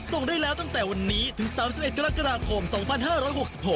ส่งได้แล้วตั้งแต่วันนี้ถึง๓๑กรกฎาคม๒๕๖๖